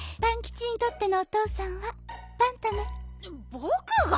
ぼくが？